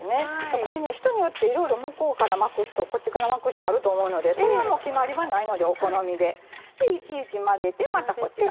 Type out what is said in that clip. これ人によっていろいろ向こうから巻く人こっちから巻く人あると思うので決まりはないのでお好みで。でいちいち混ぜてまたこちら。